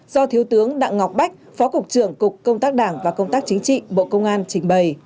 do thiếu tướng đặng ngọc bách phó cục trưởng cục công tác đảng và công tác chính trị bộ công an trình bày